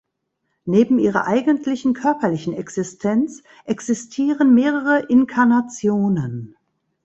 Neben ihrer eigentlichen körperlichen Existenz existieren mehrere Inkarnationen.